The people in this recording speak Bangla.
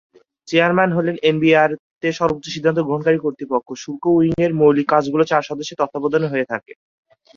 চেয়ারম্যান হলেন এনবিআর-তে সর্বোচ্চ সিদ্ধান্ত গ্রহণকারী কর্তৃপক্ষ, শুল্ক উইংয়ের মৌলিক কাজগুলি চার সদস্যের তত্ত্বাবধানে হয়ে থাকে।